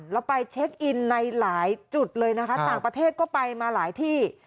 แล้วไปเช็คอินในหลายจุดเลยนะคะต่างประเทศก็ไปมาหลายที่